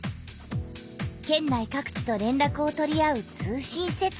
県内かく地とれんらくを取り合う通信設備。